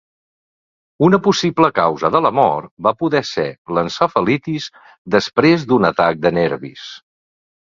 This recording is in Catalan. Una possible causa de la mort va poder ser l'encefalitis després d'un atac de nervis.